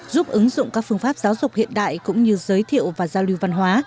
giúp ứng dụng các phương pháp giáo dục hiện đại cũng như giới thiệu và giao lưu văn hóa